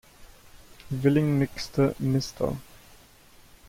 Willing mixte "Mr.